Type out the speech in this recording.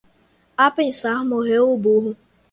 A pensar morreu o burro.